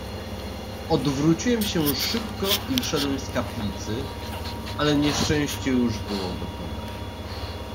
"Odwróciłem się szybko i wyszedłem z kaplicy, ale nieszczęście już było gotowe."